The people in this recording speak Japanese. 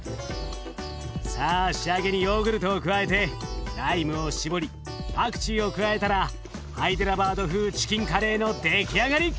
さあ仕上げにヨーグルトを加えてライムを搾りパクチーを加えたらハイデラバード風チキンカレーの出来上がり！